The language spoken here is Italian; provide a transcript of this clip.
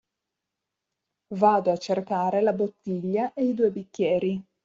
Vado a cercare la bottiglia e i due bicchieri.